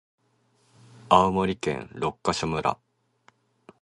青森県六ヶ所村